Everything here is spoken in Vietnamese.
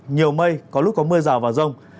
nhiều mây có lúc có mưa rào vào rông